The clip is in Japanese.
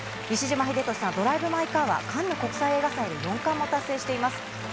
西島秀俊さん、ドライブ・マイ・カーはカンヌ国際映画祭で４冠を達成しています。